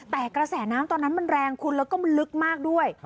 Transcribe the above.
แต่กระแสน้ำตอนนั้นมันแรงคุณแล้วก็มันลึกมากด้วย